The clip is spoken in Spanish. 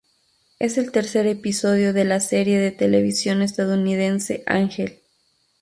Es el tercer episodio de la de la serie de televisión estadounidense Ángel.